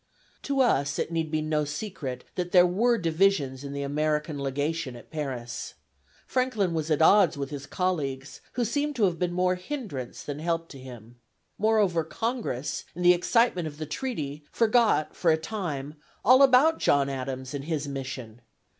To us, it need be no secret that there were divisions in the American Legation at Paris. Franklin was at odds with his colleagues, who seem to have been more hindrance than help to him. Moreover, Congress, in the excitement of the treaty, forgot, for a time, all about John Adams and his mission.